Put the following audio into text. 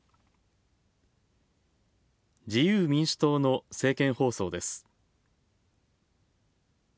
自由民主党の政見放送です。